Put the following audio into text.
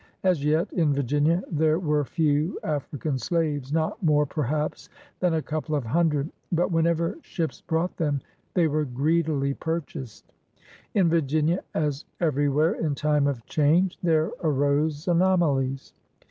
As yet, in Virginia, there were few African slaves — not more perhaps than a couple of hundred. But whenever ships brought them they were greedily purchased. In Virginia, as everywhere in time of change, there arose anomalies.